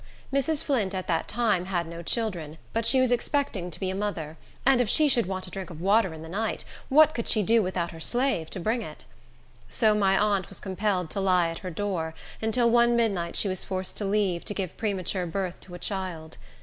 Mrs. Flint, at that time, had no children; but she was expecting to be a mother, and if she should want a drink of water in the night, what could she do without her slave to bring it? So my aunt was compelled to lie at her door, until one midnight she was forced to leave, to give premature birth to a child.